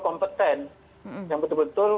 kompeten yang betul betul